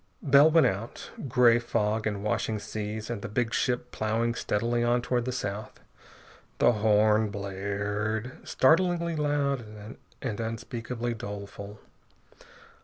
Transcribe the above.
Bell went out. Gray fog, and washing seas, and the big ship ploughing steadily on toward the south.... The horn blared, startlingly loud and unspeakably doleful.